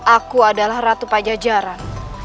aku adalah ratu pajajaran